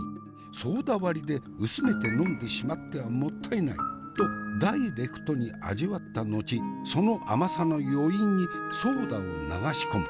ソーダ割りで薄めて呑んでしまってはもったいない。とダイレクトに味わった後その甘さの余韻にソーダを流し込む。